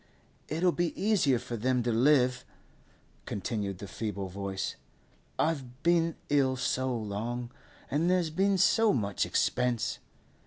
'It'll be easier for them to live,' continued the feeble voice. 'I've been ill so long, and there's been so much expense.